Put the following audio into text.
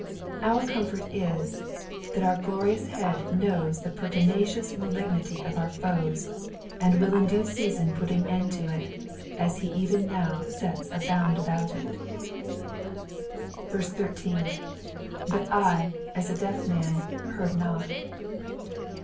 Our comfort is, that our gtonous Head knowa the pertinacious malignity of our foes, and will in due season put an end to it, as he even now sets a bound about it. 18. "But I, a* a deqf man, heard not."